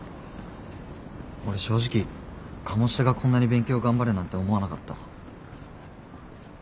俺正直鴨志田がこんなに勉強頑張るなんて思わなかった。